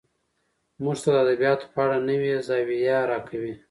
موږ ته د ادبياتو په اړه نوې زاويه راکوي